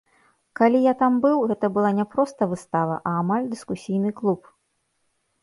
Калі я там быў, гэта была не проста выстава, а амаль дыскусійны клуб.